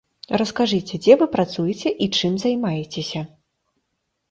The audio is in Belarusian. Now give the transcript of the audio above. Раскажыце, дзе вы працуеце і чым займаецеся.